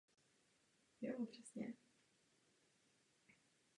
Pravidelná denní autobusová doprava nebyla v oblasti zavedena.